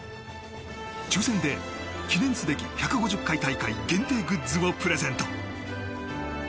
抽選で、記念すべき１５０回大会限定グッズをプレゼント。